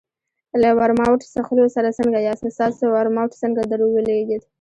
له ورماوټ څښلو سره څنګه یاست؟ ستاسو ورماوټ څنګه درولګېد؟